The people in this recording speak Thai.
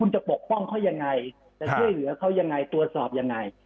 จะช่วยเหลือเขายังไงตรวจสอบยังไง